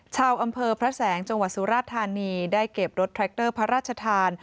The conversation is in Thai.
ชาวอำเภอพระแสงจังหวัดสุราธานีได้เก็บรถแทรคเตอร์พระราชทาน